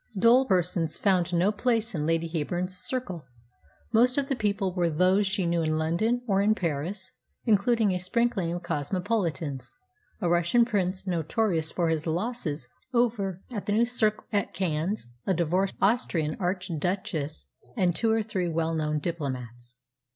Dull persons found no place in Lady Heyburn's circle. Most of the people were those she knew in London or in Paris, including a sprinkling of cosmopolitans, a Russian prince notorious for his losses over at the new cercle at Cannes, a divorced Austrian Archduchess, and two or three well known diplomats.